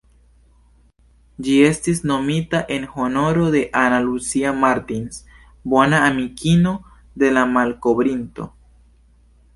Ĝi estis nomita en honoro de "Ana Lucia Martins", bona amikino de la malkovrinto.